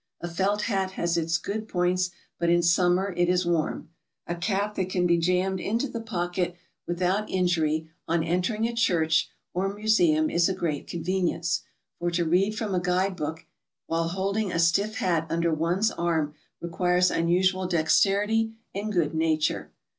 A felt hat has its good points, but in summer it is warm. A cap that can be jammed into the pocket without injury on entering a church or mu seum is a great convenience, for to read from a guide book while holding a stiff* hat under one's arm requires unusual dexterity and good nature.